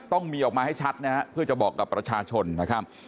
ต้องมีออกมาให้ชัดนะฮะเพื่อจะบอกกับประชาชนนะครับ